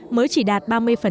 mới chỉ đạt ba mươi